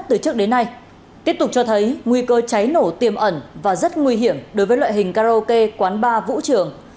tiếp tục cho thấy nguy cơ cháy nổ tiềm ẩn và rất nguy hiểm đối với loại hình karaoke quán bar vũ trường